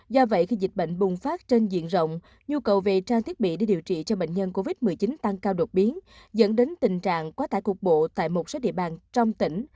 do vậy khi dịch bệnh bùng phát trên diện rộng nhu cầu về trang thiết bị đi điều trị cho bệnh nhân covid một mươi chín tăng cao đột biến dẫn đến tình trạng quá tải cục bộ tại một số địa bàn trong tỉnh